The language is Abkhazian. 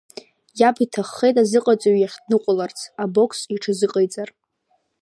Иаб иҭаххеит азыҟаҵаҩ иахь дныҟәаларц, абокс иҽазикӡар.